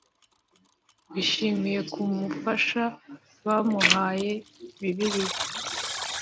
bishimiye kumufasha Bamuhaye Bibiliya